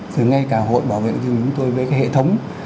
rồi ngay cả hội bảo vệ người tiêu dùng chúng tôi với cái hệ thống